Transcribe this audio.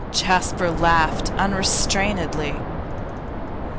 Jasper laughed unrestrainedly.